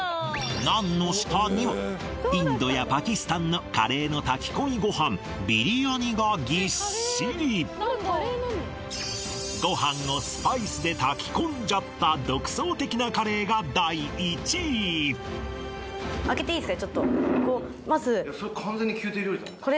ナンの下にはインドやパキスタンのカレーの炊き込みご飯ビリヤニがぎっしりご飯をスパイスで炊き込んじゃった独創的なカレーが第１位開けていいですかちょっとまず・それ